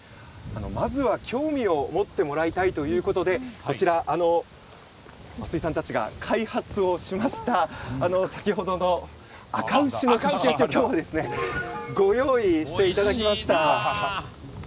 まずは興味を持ってもらいたいということで増井さんたちが開発しました先ほどのあか牛のススキ焼きを今日はご用意しました。